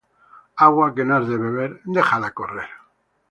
Agua que no has de beber, déjala correr